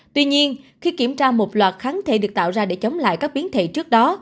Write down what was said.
tuy nhiên khi kiểm tra một loạt kháng thể được tạo ra để chống lại các biến thể trước đó